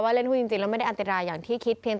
เล่นหุ้นจริงแล้วไม่ได้อันตรายอย่างที่คิดเพียง